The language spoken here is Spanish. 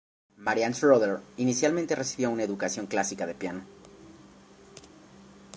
Marianne Schroeder inicialmente recibió una educación clásica de piano.